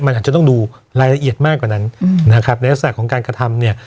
มันอาจจะต้องดูรายละเอียดมากกว่านั้นนะครับในลักษณะของการกระทำเนี่ย